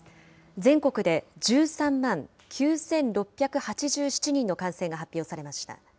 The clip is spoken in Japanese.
全国で１３万９６８７人の感染が発表されました。